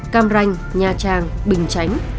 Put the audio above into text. cam ranh nha trang bình chánh